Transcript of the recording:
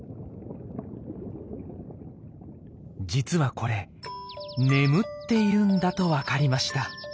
実はこれ眠っているんだとわかりました。